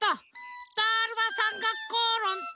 「だるまさんがころんだ！」